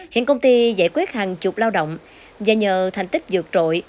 hiện công ty giải quyết hàng chục lao động và nhờ thành tích dược trội